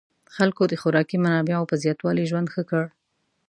خلکو د خوراکي منابعو په زیاتوالي ژوند ښه کړ.